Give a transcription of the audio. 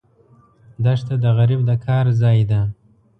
دښته د غریب د کار ځای ده.